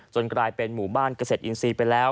กลายเป็นหมู่บ้านเกษตรอินทรีย์ไปแล้ว